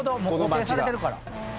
もう固定されてるから。